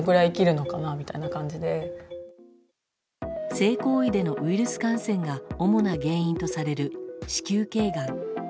性行為でのウイルス感染が主な原因とされる子宮頸がん。